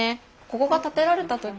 ここが建てられた時